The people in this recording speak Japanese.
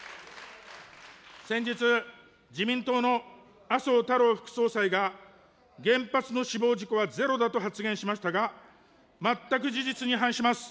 先日、自民党の麻生太郎副総裁が、原発の死亡事故はゼロだと発言しましたが、全く事実に反します。